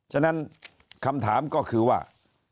ฉะนั้นคำถามก็คือว่า